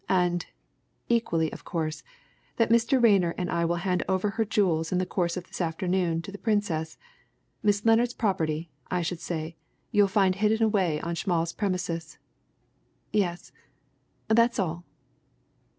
And equally of course that Mr. Rayner and I will hand over her jewels in the course of this afternoon to the Princess. Miss Lennard's property, I should say, you'll find hidden away on Schmall's premises. Yes that's all."